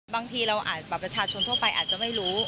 บางทีประชาชนทั่วไปอาจจะไม่รู้